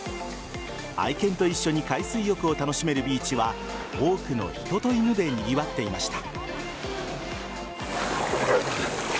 愛犬と一緒に海水浴を楽しめるビーチは多くの人と犬でにぎわっていました。